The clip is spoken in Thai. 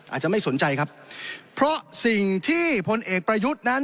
อาจจะไม่สนใจครับเพราะสิ่งที่พลเอกประยุทธ์นั้น